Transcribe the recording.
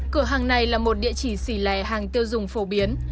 cửa hàng này là một địa chỉ xỉ lè hàng tiêu dùng phổ biến